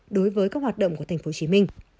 đối với các hoạt động của tp hcm